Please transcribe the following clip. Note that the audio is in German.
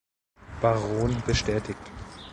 Baron bestätigt.